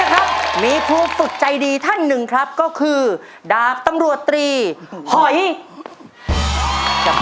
คนที่อยากจะหลีกครับคนที่ไม่ดีครับ